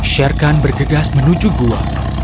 sherkan bergegas menuju gua